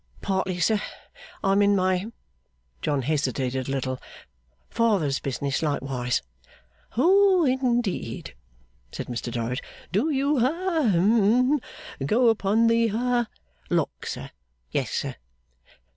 'Partly, sir. I am in my' John hesitated a little 'father's business likewise.' 'Oh indeed!' said Mr Dorrit. 'Do you ha hum go upon the ha ' 'Lock, sir? Yes, sir.